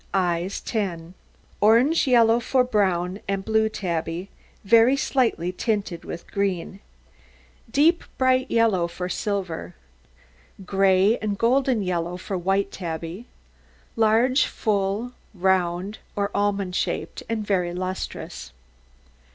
EYES 10 Orange yellow for brown and blue tabby, very slightly tinted with green; deep, bright yellow for silver; gray, and golden yellow for white tabby; large, full, round, or almond shaped, and very lustrous.